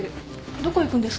どこ行くんですか？